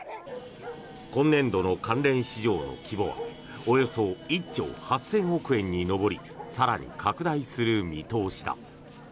今年度の関連市場の規模はおよそ１兆８０００億円に上り更に拡大する見通しだ。